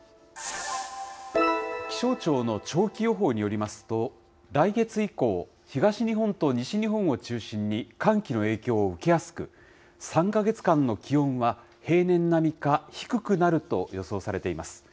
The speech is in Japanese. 気象庁の長期予報によりますと、来月以降、東日本と西日本を中心に寒気の影響を受けやすく、３か月間の気温は平年並みか低くなると予想されています。